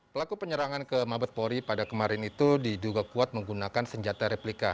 pelaku penyerangan ke mabespori pada kemarin itu diduga kuat menggunakan senjata replika